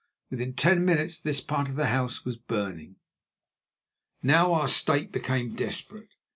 Within ten minutes this part of the house was burning. Now our state became desperate.